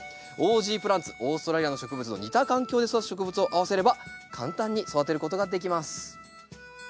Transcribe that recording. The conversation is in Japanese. オーストラリアの植物の似た環境で育つ植物を合わせれば簡単に育てることができます。